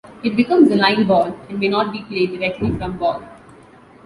It becomes a "line ball" and may not be played directly from baulk.